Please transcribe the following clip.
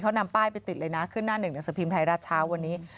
เขานำป้ายไปติดเลยนะขึ้นหน้าหนึ่งหนังสือพิมพ์ไทยรัฐเช้าวันนี้